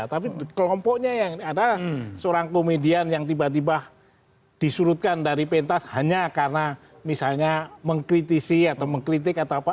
tapi kelompoknya yang ada seorang komedian yang tiba tiba disurutkan dari pentas hanya karena misalnya mengkritisi atau mengkritik atau apa